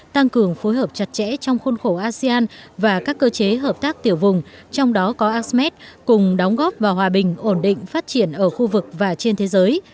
tăng cường phối hợp chặt chẽ trong khuôn khổ asean và các cơ chế hợp tác tiểu vùng trong đó có asemed cùng đóng góp vào hòa bình ổn định phát triển ở khu vực và trên thế giới